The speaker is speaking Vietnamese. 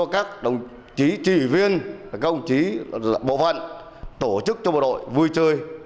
các đồng chí chỉ viên các đồng chí bộ phận tổ chức cho bộ đội vui chơi